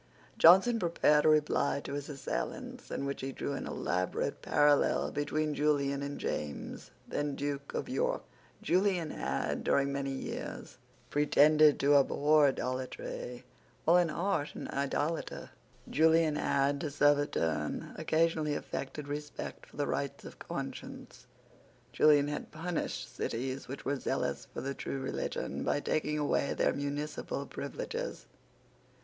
Johnson prepared a reply to his assailants, in which he drew an elaborate parallel between Julian and James, then Duke of York, Julian had, during many years, pretended to abhor idolatry, while in heart an idolater. Julian had, to serve a turn, occasionally affected respect for the rights of conscience. Julian had punished cities which were zealous for the true religion, by taking away their municipal privileges.